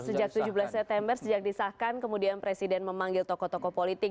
sejak tujuh belas september sejak disahkan kemudian presiden memanggil tokoh tokoh politik